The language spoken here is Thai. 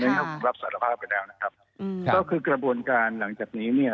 ไม่ต้องรับสารภาพกันแล้วนะครับอืมครับก็คือกระบวนการหลังจากนี้เนี่ย